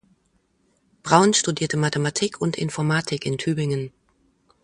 Braun studierte Mathematik und Informatik in Tübingen.